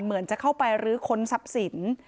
เหมือนจะเข้าไปรื้อค้นทรัพย์สิน